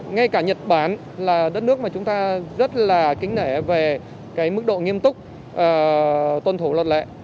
ngay cả nhật bản là đất nước mà chúng ta rất là kính nể về cái mức độ nghiêm túc tuân thủ luật lệ